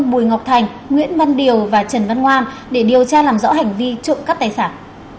bùi ngọc thành nguyễn văn điều và trần văn ngoan để điều tra làm rõ hành vi trộm cắp tài sản